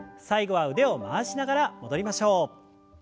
最後は腕を回しながら戻りましょう。